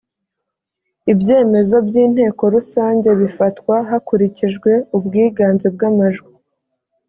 ibyemezo by’inteko rusange bifatwa hakurikijwe ubwiganze bw’amajwi